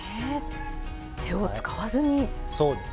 手を使わずに。